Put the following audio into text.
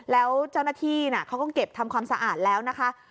แล้วเจ้าหน้าที่เขาก็เก็บทำความสะอาดแล้วนะคะ